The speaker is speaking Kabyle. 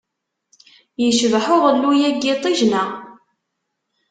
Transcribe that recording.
Yecbeḥ uɣelluy-a n yiṭij, neɣ?